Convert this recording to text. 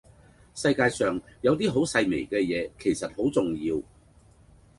世界上有啲好細微嘅嘢，其實好重要